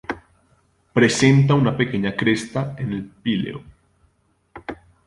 Presenta una pequeña cresta en el píleo.